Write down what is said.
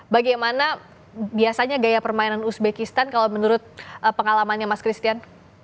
bagaimana biasanya gaya permainan uzbekistan kalau menurut pengalamannya mas christian